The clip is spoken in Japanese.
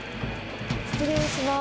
失礼します。